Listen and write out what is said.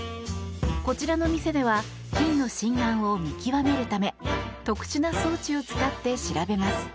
こちらの店では金の真がんを見極めるため特殊な装置を使って調べます。